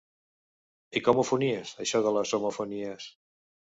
I com ho fonies, això de les homofonies?